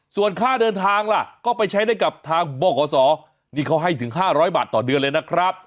ส่วนค่าเดินทางล่ะก็ไปใช้ได้กับทางบขศนี่เขาให้ถึง๕๐๐บาทต่อเดือนเลยนะครับ